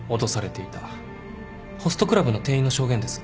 ホストクラブの店員の証言です。